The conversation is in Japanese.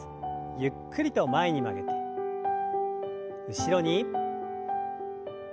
ゆっくりと前に曲げて後ろに。